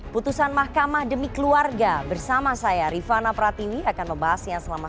putusan mahkamah demi keluarga bersama saya rifana pratiwi akan membahasnya selama